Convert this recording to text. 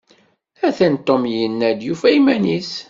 Atan Tom yenna-d yufa iman-is.